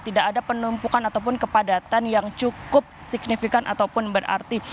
tidak ada penumpukan ataupun kepadatan yang cukup signifikan ataupun berarti